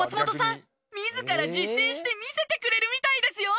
自ら実践して見せてくれるみたいですよ！